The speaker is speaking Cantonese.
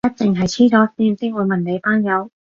我一定係痴咗線先會問你班友